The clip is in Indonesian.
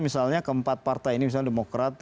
misalnya keempat partai ini misalnya demokrat